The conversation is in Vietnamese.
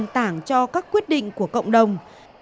tảng cho các quyết định của cộng đồng